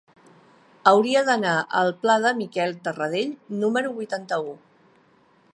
Hauria d'anar al pla de Miquel Tarradell número vuitanta-u.